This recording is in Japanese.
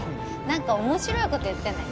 何か面白いこと言ってね